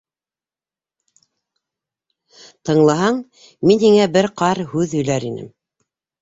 Тыңлаһаң, мин һиңә бер ҡарһүҙ һөйләр инем.